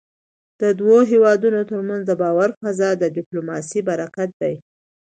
د دوو هېوادونو ترمنځ د باور فضا د ډيپلوماسی برکت دی .